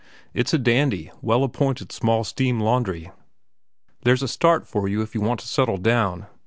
It's a dandy, well appointed, small steam laundry. There's a start for you if you want to settle down.